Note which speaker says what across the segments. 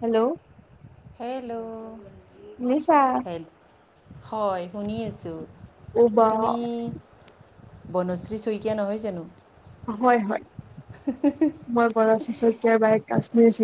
Speaker 1: Hello.
Speaker 2: Hello
Speaker 1: শুনিছা?
Speaker 2: Hello. হয় শুনি আছোঁ,
Speaker 1: অ বা
Speaker 2: তুমি। বনশ্ৰী শইকীয়া নহয় জানো?
Speaker 1: হয় হয় মইশইকীয় বাৰে কাশ্মীৰ।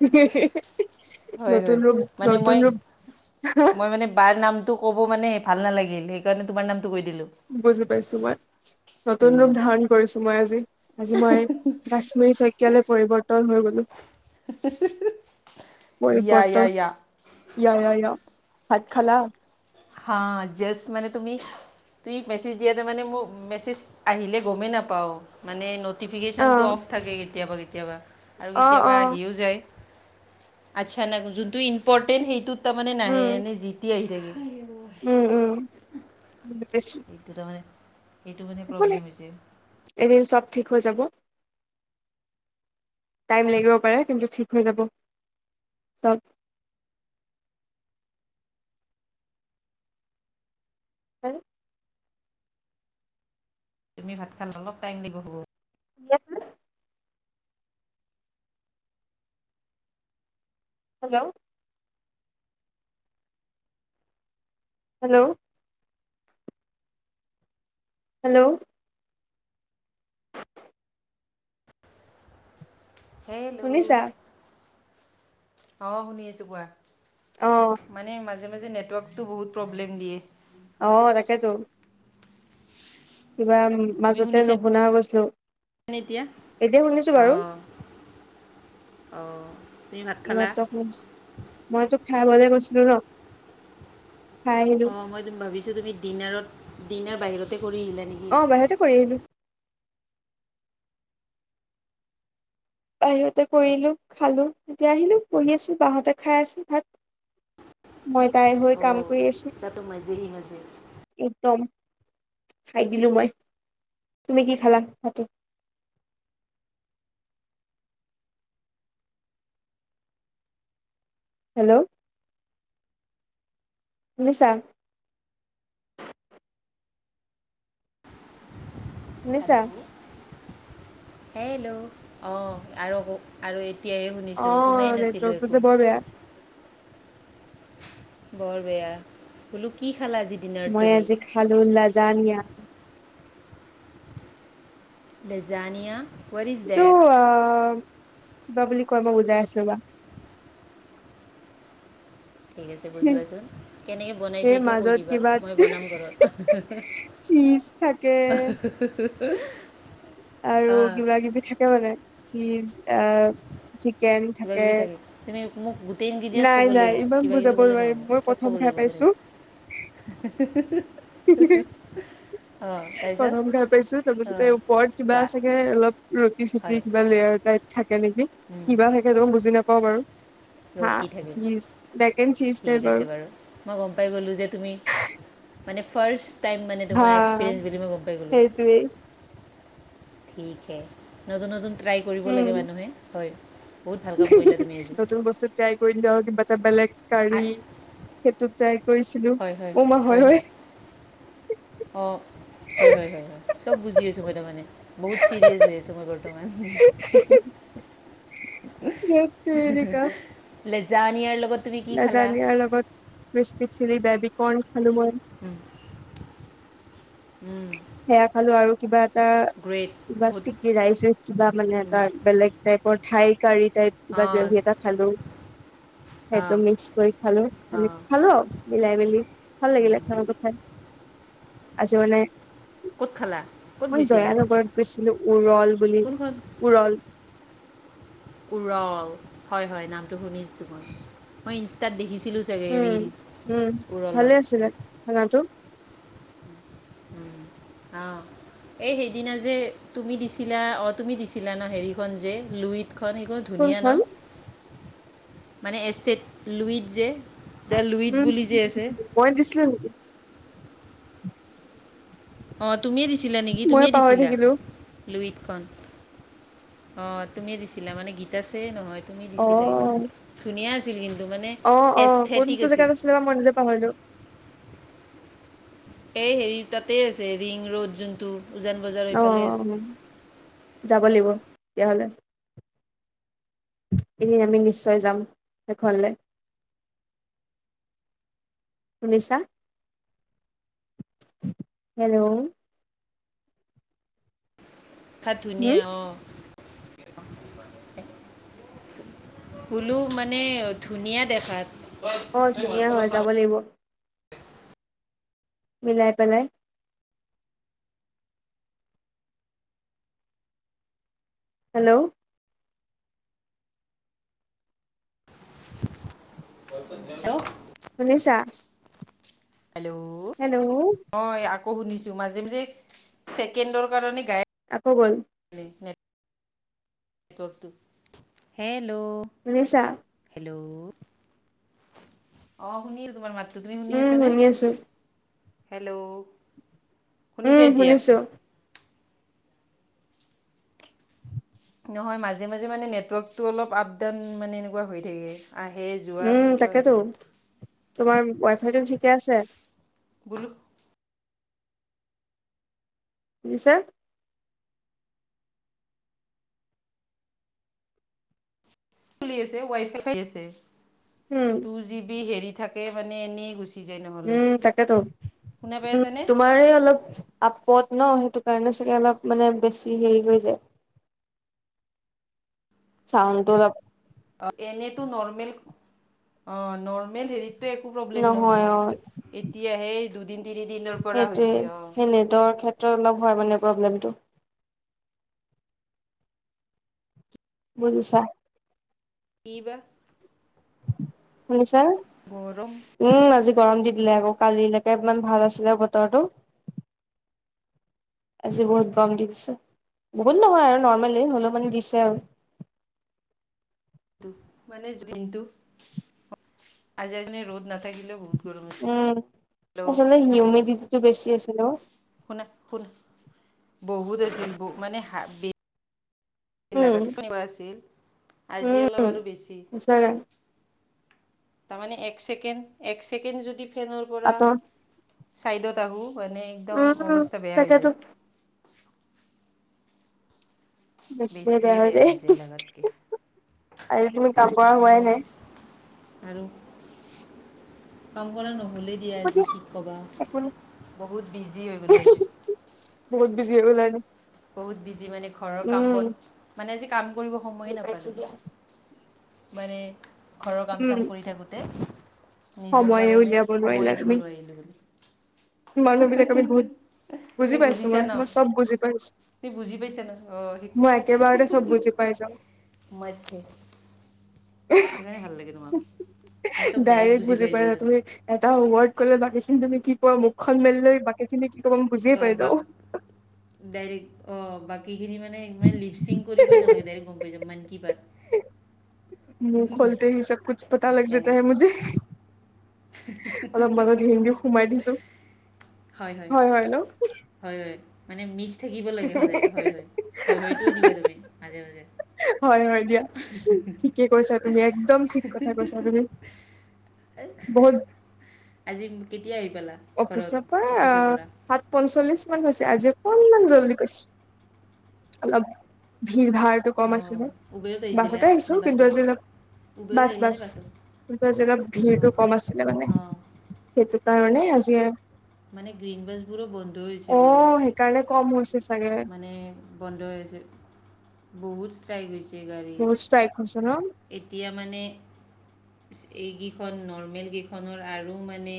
Speaker 1: [unintelligible] [inaudible]
Speaker 2: হয়
Speaker 1: নতুন
Speaker 2: হয়,
Speaker 1: ৰূপ
Speaker 2: মানে
Speaker 1: নতুন
Speaker 2: মই
Speaker 1: ৰূপ
Speaker 2: মই মানে বাৰ নাম। টো ক'ব মানে ভাল নালাগিল, সেইকাৰণে তোমাৰ নামটো কৈ দিলো।
Speaker 1: বুজি পাইছো মই, নতুন ৰূপ ধাৰণ কৰিছো মই আজি আজি মই কা। শইকীয়ালে পৰিৱৰ্তন হৈ গলোঁ।
Speaker 2: ইয়া ইয়া
Speaker 1: বইকত [unintelligible]
Speaker 2: ইয়া
Speaker 1: ভাত খালা?
Speaker 2: হা, জাষ্ট মানে তুমি। তুমি মেছেজ দিয়া তাৰ মানে মোৰ মেছেজ আহিলে গমেই নাপাওঁ মানে।
Speaker 1: অ
Speaker 2: ন'টিফিকেশ্যনটো অফ থাকে কেতিয়াবা কেতিয়াবা আৰু
Speaker 1: অ
Speaker 2: কেতিয়াবা আহিও যায়। আচ্ছা না যোনটো ইম্পৰ্টেন্ট সেইটোত তাৰমানে নাহে,
Speaker 1: উম
Speaker 2: এনে যিতি আহি থাকে।
Speaker 1: উম উম।
Speaker 2: এইটো তাৰমানে, এইেটো মানে
Speaker 1: একো নাই
Speaker 2: প্ৰব্লেম হৈছে।
Speaker 1: এদিন চব ঠিক হৈ যাব। টাইম লাগিব পাৰে কিন্তু ঠিক হৈ যাব চব। হা?
Speaker 2: তুমি ভাত খালা অলপ টাইম লাগিব হ'ব।
Speaker 1: ঠিকে আছে নে [unintelligible] হেল্ল'। হেল্ল'। হেল্ল'। [inaudible]
Speaker 2: হেল্ল'
Speaker 1: শুনিছা?
Speaker 2: অ' শুনি আছো কোৱা।
Speaker 1: অঁ।
Speaker 2: মানে মাজে মাজে নেটৱৰ্কটো বহুত প্ৰব্লেম দিয়ে।
Speaker 1: অ' তাকেইতো। কিবা
Speaker 2: তুমি
Speaker 1: মাজতে
Speaker 2: শুনিছানে
Speaker 1: নুশুনা হৈ গৈছিলো,
Speaker 2: এতিয়া
Speaker 1: এতিয়া শুনিছো বাৰু।
Speaker 2: অঁ অঁ। তুমি ভাত খালা
Speaker 1: নেটৱৰ্ক মইতো খাবলৈ গৈছিলো ন। খাই আহিলো
Speaker 2: অঁ মই ভাবিছোঁ তুমি ডিনাৰত, ডিনাৰ বাহিৰতে কৰি আহিলা নেকি।
Speaker 1: অ' বাহিৰতে কৰি আহিলো। বাহিৰতে কৰিলো খালো তেতিয়া আহিলো কৰি আছো বাহতে খাই আছো ভাত। মই তাইৰ হৈ কাম কৰি আছো।
Speaker 2: এ' তাটো মাজে হি মাজে
Speaker 1: একদম খাই দিলো মই তুমি কি খালা ভাটো। হেল্লৌ' শুনিছা। শুনিছা।
Speaker 2: হেল্লৌ' অঁ আৰু কক। আৰু এতিয়াহে
Speaker 1: অ
Speaker 2: শুনিছোঁ শুনাই নাছিলোঁ
Speaker 1: নেটৱৰ্কটো যে
Speaker 2: একো।
Speaker 1: বৰ বেয়া
Speaker 2: বৰ বেয়া বোলো কি খালা আজি? ডিনাৰত
Speaker 1: মই
Speaker 2: তুমি
Speaker 1: আজি খালো নাজান ইয়া।
Speaker 2: লেজানিয়া। হোৱাট ইজ
Speaker 1: সিটো
Speaker 2: ডেট
Speaker 1: অঁ কিবা বুলি কয় মই বুজাই আছো ৰবা।
Speaker 2: ঠিক আছে বুজোৱাচোন। কেনেকে বনাইছে
Speaker 1: এই
Speaker 2: এইটোও কৈ
Speaker 1: মাজত
Speaker 2: দিবা মই বনাম ঘৰত।
Speaker 1: চিজ থাকে।
Speaker 2: [unintelligible]
Speaker 1: আৰু কিবা কিবি থাকে মানে ছিজ আহ। ঠিকে
Speaker 2: কিবা
Speaker 1: থাকে
Speaker 2: কিবি তুমি মোক গোটেই ইনগ্ৰিডিয়েণ্টছ ক'ব
Speaker 1: নাই
Speaker 2: লাগিব
Speaker 1: নাই ইমান
Speaker 2: কিবা কিবি
Speaker 1: বুজাব
Speaker 2: ক'লে নহ'ব
Speaker 1: নোৱাৰিম মই।
Speaker 2: চব ক'ব
Speaker 1: খম
Speaker 2: লাগিব
Speaker 1: ভাই
Speaker 2: কেনেকৈ
Speaker 1: পাইছো।
Speaker 2: [unintelligible] তাৰপিছত
Speaker 1: প্ৰথম গাই পাইছো তাৰপিছতে-
Speaker 2: অঁ
Speaker 1: কৰত কিবা
Speaker 2: কোৱা
Speaker 1: চাগে অলপ ৰুটি চুটি
Speaker 2: হয়
Speaker 1: কিবা লেয়াৰ টাইপ থাকে নেকি। কিবা থাকেই ন বুজি নাপাওঁ বাৰু হাঁ
Speaker 2: ৰুটি থাকে
Speaker 1: চীজ বেকেন চীজ
Speaker 2: ঠিক আছে
Speaker 1: পেপাৰ।
Speaker 2: বাৰু মই গম পাই গ'লোঁ যে তুমি মানে ফাৰ্ষ্ট টাইম মানে তোমাৰ এক্সপিৰিয়েঞ্চ বুলি মই গম পাই গ'লোঁ।
Speaker 1: দুই-
Speaker 2: ঠিক হে নতুন নতুন ট্ৰাই কৰিব
Speaker 1: উম
Speaker 2: লাগে মানুহে হয়। বহুত ভাল কাম কৰিলা তুমি আজি
Speaker 1: নতুন বস্তু ট্ৰাই কৰিলে আৰু কিবা এটা বেলেগ কাৰী- সেইটোত ট্ৰাই কৰিছিলো অমা হয় হয়।
Speaker 2: অঁ হয় হয় হয় হয়। চব বুজি আছোঁ মই তাৰমানে বহুত চিৰিয়াছ হৈ আছোঁ মই বৰ্তমান।
Speaker 1: [unintelligible]
Speaker 2: লেজানিয়াৰ লগত- তুমি কি খালা
Speaker 1: লেজানিয়াৰ লগত ক্পি চিলি বেব কৰ্ণ খালো মই।
Speaker 2: উম। উম'
Speaker 1: সেয়া খালো আৰু কিবা এটা
Speaker 2: গুড
Speaker 1: বাচটিকি ৰাইচ ই কিবা মানে এটা বেলেগ টাইপ। কঠাই কাৰি টাইপ কিবা
Speaker 2: অঁ
Speaker 1: গ্ৰেভি এটা খালো। সেইটো
Speaker 2: অঁ
Speaker 1: মিক্স কৰি খালো মানে
Speaker 2: অঁ
Speaker 1: খালো আও মিলাই মেলি। ভাল লাগিলে খাল কো খাই আজি মানে-
Speaker 2: ক'ত খালা? ক'ত
Speaker 1: মই
Speaker 2: গৈছিলা
Speaker 1: জয়ানগৰত গৈছিলো উৰল বুলি
Speaker 2: কোনখন
Speaker 1: উৰল।
Speaker 2: উৰল হয় হয়, নামটো শুনিছোঁ মই। মই ইনষ্টাত দেখিছিলোঁ চাগে ৰীল উৰলৰ।
Speaker 1: ছোনেত- তোমা নামতো।
Speaker 2: উম অঁ। এই সেইদিনা যে তুমি দিছিলা অ তুমি দিছিলা ন হেৰিখন যে লুইতখন সেইখন। ধুনীয়া ন,
Speaker 1: কোনখন
Speaker 2: মানে এষ্টেট লুইড যে। দ্য লুইত
Speaker 1: উম'
Speaker 2: বুলি যে আছে
Speaker 1: মই দিছিলোঁ নেকি?
Speaker 2: অ', তুমিয়ে দিছিলা নেকি?
Speaker 1: মই
Speaker 2: তুমিয়ে
Speaker 1: পাহৰি
Speaker 2: দিছিলা?
Speaker 1: থাকিলো
Speaker 2: লুইতখন অ', তুমিয়ে দিছিলা মানে, গিতাসে নহয়। তুমি
Speaker 1: অ
Speaker 2: দিছিলা সেইখন, ধুনীয়া আছিল কিন্তু মানে
Speaker 1: অ' অ',
Speaker 2: এষ্ঠেটিক
Speaker 1: কোনটো
Speaker 2: আছিল
Speaker 1: জেগাত আছিলে বা মই নিজে পাহৰিলো।
Speaker 2: এই হেৰি তাতেই আছে ৰিং-ৰ'ড যোনটো। উজান বজাৰ
Speaker 1: অ' অ', যাব লাগিব তেতিয়াহলে। এনে, আমি নিশ্চয় যাম সেইখনলৈ। শুনিছা, হেল্ল'
Speaker 2: দেখাত ধুনীয়া, অঁ। হোলো মানে ধুনীয়া দেখাত
Speaker 1: অ ধুনীয়া [inaudible] মিলাই পেলাই। হেল্ল'
Speaker 2: হেল্ল'
Speaker 1: শুনিছা?
Speaker 2: হেল্ল'।
Speaker 1: হেল্ল'।
Speaker 2: অ' আকৌ শুনিছো, মাজে মাজে ছেকেণ্ডৰ কাৰণে গাইপ
Speaker 1: আকৌ গ'ল।
Speaker 2: [unintelligible] হেল্ল'।
Speaker 1: শুনিছা?
Speaker 2: হেল্ল', অ' শুনি আছোঁ তোমাৰ মাত। তুমি শুনি
Speaker 1: উম
Speaker 2: আছানে?
Speaker 1: আছো
Speaker 2: হেল্ল', শুনিছা
Speaker 1: উম
Speaker 2: এতিয়া?
Speaker 1: শুনিছো
Speaker 2: নহয়, মাজে-মাজে মানে নেটৱৰ্কটো অলপ আপ-ডাউন মানে এনেকুৱা হৈ থাকে। আহে, যোৱা
Speaker 1: উম
Speaker 2: সেনেকুৱা হৈ
Speaker 1: তাকেতো
Speaker 2: থাকে।
Speaker 1: তোমাৰ ৱাইফাইতো ঠিকে আছে?
Speaker 2: [unintelligible]
Speaker 1: কি কৈছা?
Speaker 2: চলি আছে, ৱাইফাই চলি আছে।
Speaker 1: উম'।
Speaker 2: টুজিবি হেৰি থাকে মানে এনেই গৈছে।
Speaker 1: উম' তাকেতো,
Speaker 2: পাই
Speaker 1: উম
Speaker 2: আছানে?
Speaker 1: তোমাৰে অলপ আপত ন, সেইটো কাৰণে চাগে অলপ মানে বেছি হেৰি হৈ যায়। চাউণ্ডটো অলপ
Speaker 2: অ', এনেতো নৰ্মেল। অ' নৰ্মেল হেৰি একো প্ৰব্লেম নহয়, এতিয়াহে দুদিন-তিনি দিনৰ পৰা হৈছে অ।
Speaker 1: তৰ ক্ষেত্ৰত অলপ হয় মানে প্ৰব্লেমটো। বুজিছা?
Speaker 2: কি-বা?
Speaker 1: শুনিছা?
Speaker 2: গৰম
Speaker 1: উম আজি গৰম দি দিলে আকৌ কালিলেকে ইমান ভাল আছিলে বতৰটো আজি বহুত গৰম দি দিছে বহুত নহয় আৰু নৰ্মেলি হলেও মানে দিছে আৰু
Speaker 2: মানে দিনটোত আজিজনে ৰ'দ নাথাকিলেও বহুত গৰম হৈছে
Speaker 1: উম
Speaker 2: হেল্ল'
Speaker 1: আচলতে হিউমিডিটি টো বেছি আছিলে অ
Speaker 2: শুনা শুন বহুত আছিল গো মানে হাবি লাগাত
Speaker 1: উম
Speaker 2: ক বাছিল আজি অলপ আৰু
Speaker 1: উম
Speaker 2: বেছি
Speaker 1: সঁচাকে
Speaker 2: তাৰমানে এক ছেকেণ্ড এক ছেকেণ্ড যদি ফেনৰ পৰা
Speaker 1: আঁতৰ
Speaker 2: চাইডত আহো মানে একদম
Speaker 1: উম
Speaker 2: অৱস্থা বেয়া হৈ
Speaker 1: তাকেতো
Speaker 2: যায়
Speaker 1: বেছিয়ে বেয়া হৈ যায় আজি তুমি কাম কৰা হোৱাই নাই
Speaker 2: আৰু কাম কৰা নহলেই দিয়া আজি কি ক'বা
Speaker 1: একো নাই
Speaker 2: বহুত বিজি হৈ গ'লোঁ আজি।
Speaker 1: বহুত বিজি হৈ গ'লা ন?
Speaker 2: বহুত বিজি মানে ঘৰৰ কাম
Speaker 1: উম
Speaker 2: বন মানে আজি কাম কৰিব সময়ে
Speaker 1: বুজি পাইছো দিয়া
Speaker 2: নাপালোঁ। মানে ঘৰৰ কাম
Speaker 1: উম
Speaker 2: চাম কৰি থাকোঁতে নিজৰ
Speaker 1: সময়ে
Speaker 2: কাৰণে
Speaker 1: উলিয়াব
Speaker 2: সময়ে
Speaker 1: নোৱাৰিলা তুমি
Speaker 2: দিব নোৱাৰিলো
Speaker 1: মানুহ বিলাক আমি বহুত বুজি
Speaker 2: তুমি
Speaker 1: পাইছো
Speaker 2: বুজিছা
Speaker 1: মই
Speaker 2: ন
Speaker 1: মই চব বুজি পাইছো।
Speaker 2: তুমি বুজি পাইছে ন' অ সি'
Speaker 1: একে বাৰতে চব বুজি পাই যাও।
Speaker 2: সোমাইছে সেইকাৰণে ভাল লাগে তোমাক এ চব ডাইৰেক্ট বুজি পাই যোৱা তুমি
Speaker 1: এটা ৱৰ্ড কলে বাকী খিনি তুমি কি কোৱা মুখখন মেলিলে বাকী খিনি কি কবা মই বুজিয়ে
Speaker 2: অঁ
Speaker 1: পাই
Speaker 2: বা
Speaker 1: যাও
Speaker 2: ডাইৰেক্ট অ বাকীখিনি মানে এ লিপচিং কৰিবই নালাগে্ ডাইৰেক্ট গম পাই যাম মন কি বাত
Speaker 1: মুহ খোলতে হি চব কুছ পাতা লাগ
Speaker 2: আচ্ছা
Speaker 1: যাতা হে মুজে হিন্দী সোমাই দিছো
Speaker 2: হয়, হয়। হয়, হয়, মানে মিক্স থাকিব লাগে সদায় হয়, হয়, হয়, হয়টোও দিবা তুমি মাজে মাজে
Speaker 1: হয়, হয়, দিয়া। ঠিকে কৈছা তুমি একদম ঠিক কথা কৈছা তুমি বহুত
Speaker 2: আজি কেতিয়া আহি পালা? ঘৰত
Speaker 1: অফিচৰ পৰা
Speaker 2: অফিচৰ
Speaker 1: আহ
Speaker 2: পৰা
Speaker 1: সাত পঞ্চল্লিশ মান হৈছে আজি অকনমান জল্দি পাইছো। অলপ ভিৰ ভাৰটো কম
Speaker 2: অঁ
Speaker 1: আছিলে
Speaker 2: উবেৰত আহিছিলা
Speaker 1: বাছতে আহিছো
Speaker 2: নে
Speaker 1: কিন্তু
Speaker 2: বাছত
Speaker 1: আজি অলপ
Speaker 2: উবেৰত
Speaker 1: বাছ
Speaker 2: আহিলা
Speaker 1: বাছ
Speaker 2: নে বাছত
Speaker 1: কিন্তু আজি অলপ ভিৰটো
Speaker 2: অঁ
Speaker 1: কম আছিলে মানে।
Speaker 2: অঁ
Speaker 1: সেইটো কাৰণে আজি এ
Speaker 2: মানে গ্ৰীণ বাছবোৰো বন্ধ হৈছে বোলে।
Speaker 1: সেইকাৰণে কম হৈছে চাগে।
Speaker 2: মানে বন্ধ হৈ আছে বহুত ষ্ট্ৰাইক হৈছে গাড়ী।
Speaker 1: বহুত ষ্ট্ৰাইক হৈছে ন
Speaker 2: এতিয়া মানে এইগেইখন নৰ্মেল গেইখনৰ আৰু মানে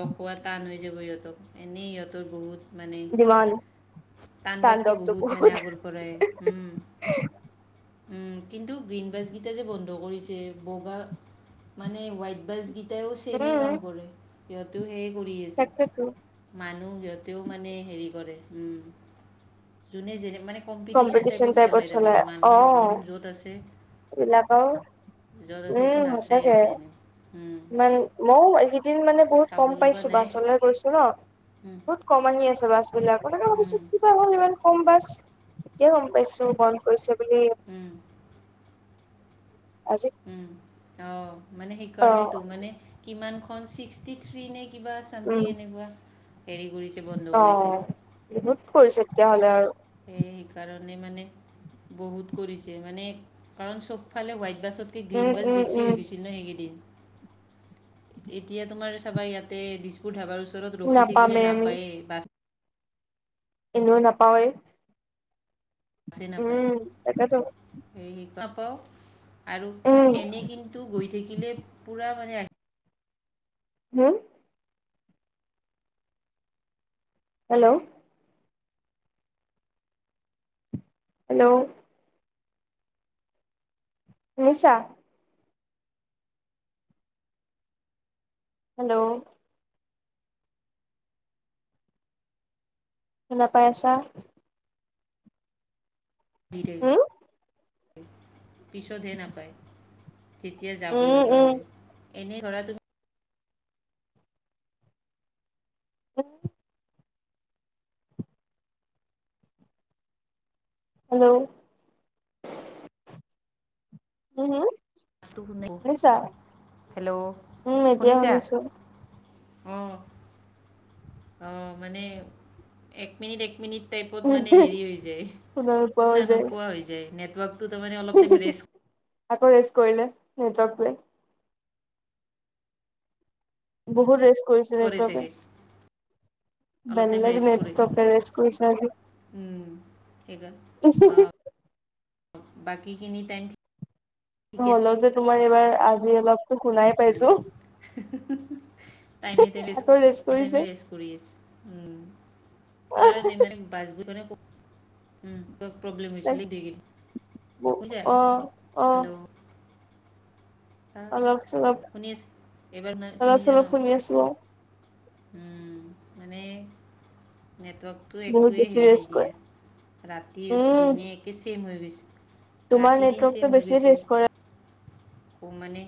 Speaker 2: ৰখোৱা টান হৈ যাব সিহঁতক এনেই সিহঁতৰ বহুত মানে
Speaker 1: লোৱালে
Speaker 2: তাণ্ডৱটো বহুত মানে আগৰ পৰাই উম উম কিন্তু গ্ৰীণ বাছগেইটা যে বন্ধ কৰিছে বগা মানে হোৱাইট বাছগিট তেওঁ চেমেই
Speaker 1: উম
Speaker 2: কাম কৰে সিহঁতেও সেয়ে কৰি আছে।
Speaker 1: তাকেতো
Speaker 2: মানুহ সিহঁতেও মানে হেৰি কৰে উম, যোনে যেনে মানে কম্পিটিচন টাইপত চলাই তাৰামানে মানুহ যোন য'ত আছে,
Speaker 1: এইবিলাক আৰু
Speaker 2: য'ত আছে এইটো
Speaker 1: উম
Speaker 2: নাচায়
Speaker 1: সঁচাকে
Speaker 2: ইহঁতে এনে
Speaker 1: ইমান মইও এইকেইদিন মানে বহুত
Speaker 2: চাব
Speaker 1: কম
Speaker 2: লগা
Speaker 1: পাইছো
Speaker 2: নাই
Speaker 1: বাছলে গৈছো ন'।
Speaker 2: উম,
Speaker 1: বহুত কম আহি আছে বাছ বিলাক মই তাকে ভাবিছোঁ
Speaker 2: উম,
Speaker 1: কি কিবা হ'ল ইমান কম বাছ? এতিয়া গম পাইছো বন্ধ কৰিছে বুলি।
Speaker 2: উম।
Speaker 1: আজি
Speaker 2: উম অঁ', মানে
Speaker 1: অ
Speaker 2: সেইকাৰণেতো মানে কিমানখন ছিক্সটি থ্ৰী নে কিবা
Speaker 1: উম
Speaker 2: চামথিং এনেকুৱা হেৰি কৰিছে বন্ধ
Speaker 1: অ
Speaker 2: কৰিছে।
Speaker 1: বহুত কৰিছে তেতিয়া হলে আৰু।
Speaker 2: সেয়ে সেইকাৰণে মানে বহুত কৰিছে মানে কাৰণ চবফালে হোৱাইট বাছত তে
Speaker 1: উম
Speaker 2: গ্ৰীণ বাছ
Speaker 1: উম
Speaker 2: বেছি
Speaker 1: উম
Speaker 2: হৈ গৈছিল না সেইকেইদিন। এতিয়া তোমাৰ চাবা ইয়াতে দিছপুৰ ধাবাৰ ওচৰত ৰখি থাকিলে
Speaker 1: নাপামেই আমি
Speaker 2: নাপায়েই বাছ।
Speaker 1: এনেও নাপাওৱেই। উম তাকেতো।
Speaker 2: সেই নাপাওঁ আৰু
Speaker 1: উম
Speaker 2: এনেই কিন্তু গৈ থাকিলে পোৰা মানে
Speaker 1: হম? হেল্ল'। হেল্ল'। শুনিছা? হেল্ল'। শুনা পাই আছা?
Speaker 2: [unintelligible]
Speaker 1: উম
Speaker 2: পিছত হে নাপায়। তেতিয়া যাব
Speaker 1: উম
Speaker 2: লগা
Speaker 1: উম
Speaker 2: হয়, এনে ধৰা তু
Speaker 1: [inaudible] হেল্ল। উম হুম?
Speaker 2: [inaudible] হেল্ল'
Speaker 1: উম এতিয়া
Speaker 2: শুনিছা?
Speaker 1: শুনিছো
Speaker 2: অঁ অঁ মানে এক মিনিট, এক মিনিট টাইপত মানে হেৰি হৈ যায়,
Speaker 1: নোপোৱা
Speaker 2: শুনা
Speaker 1: হৈ যায়
Speaker 2: নোপোৱা হৈ যায়। নেটৱৰ্কটো তাৰমানে অলপ মান ৰেষ্ট
Speaker 1: আকৌ ৰেষ্ট কৰিলে নেটৱৰ্কটোৱে। বহুত ৰেষ্ট কৰিছে
Speaker 2: কৰে
Speaker 1: নেটৱৰ্কে।
Speaker 2: চাগে অলপ টাইম
Speaker 1: বেলেগ
Speaker 2: ৰেষ্ট কৰে
Speaker 1: নেটৱৰ্কে ৰেষ্ট কৰিছে আজি [unintelligible]
Speaker 2: বাকী খিনি টাইম ঠিকে
Speaker 1: হ'লেও টো তোমাৰ এইবাৰ আজি অলপটো শুনাই পাইছো
Speaker 2: [unintelligible] টাইমে টাইমে ৰেষ্ট
Speaker 1: আকৌ
Speaker 2: টাইমে টাইমে
Speaker 1: কৰিছে
Speaker 2: ৰেষ্ট কৰি আছে উম [unintelligible] [unintelligible] উম। ক প্ৰব্লেম
Speaker 1: তাক
Speaker 2: হৈছিলে
Speaker 1: অ
Speaker 2: [unintelligible]
Speaker 1: অ
Speaker 2: হেল্ল'।
Speaker 1: অলপ চলপ
Speaker 2: শুনি আছে এবাৰ শুনা-
Speaker 1: অলপ
Speaker 2: শুনিছা
Speaker 1: চলপ
Speaker 2: ন
Speaker 1: শুনি আছো আও।
Speaker 2: উম মানে নেটৱৰ্ক তো
Speaker 1: বহুত
Speaker 2: একোৱেই
Speaker 1: বেছি
Speaker 2: হেৰি নাই
Speaker 1: ৰেষ্ট
Speaker 2: দিয়া,
Speaker 1: কৰে
Speaker 2: ৰাতি
Speaker 1: উম
Speaker 2: দিনে একে চেম হৈ গৈছে।
Speaker 1: তোমাৰ নেটৱৰ্কটো বেছি ৰেষ্ট কৰে।
Speaker 2: ক মানে